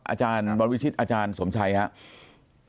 อาจารย์บรวิชิตอาจารย์สมชัยครับ